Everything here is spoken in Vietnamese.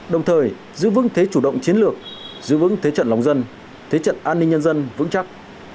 đồng thời giữ vững thế chủ động chiến lược giữ vững thế trận lòng dân thế trận an ninh nhân dân vững chắc